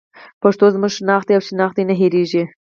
پښتو زموږ شناخت دی او شناخت دې نه هېرېږي.